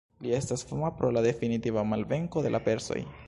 Li estas fama pro la definitiva malvenko de la persoj.